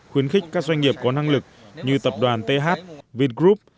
khuyến khích các doanh nghiệp có năng lực như tập đoàn th viet group